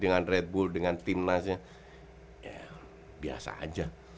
dengan red bull dengan timnasnya ya biasa aja